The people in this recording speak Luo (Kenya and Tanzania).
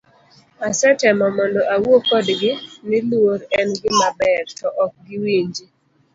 Asetemo mondo awuo kodgi, ni luor en gima ber, to ok giwinji.